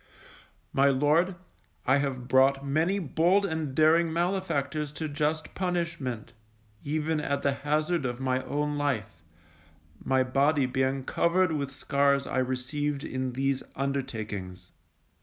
My Lord, I have brought many bold and daring malefactors to just punishment, even at the hazard of my own life, my body being covered with scars I received in these undertakings.